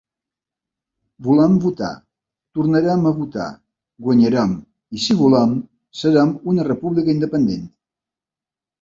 Volem votar, tornarem a votar, guanyarem i si volem, serem una república independent!